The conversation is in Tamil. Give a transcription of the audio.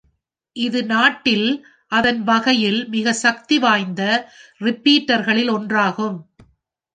இது நாட்டில், அதன் வகையில் மிகச் சக்திவாய்ந்த ரிப்பீட்டர்களில் ஒன்றாகும்.